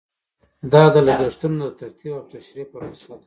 دا د لګښتونو د ترتیب او تشریح پروسه ده.